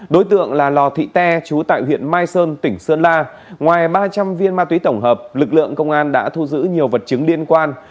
đối tượng là lò thị tê chú tại huyện mai sơn tỉnh sơn la ngoài ba trăm linh viên ma túy tổng hợp lực lượng công an đã thu giữ nhiều vật chứng liên quan